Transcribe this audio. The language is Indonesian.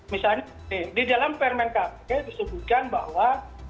misalnya di dalam permen kpk disebutkan bahwa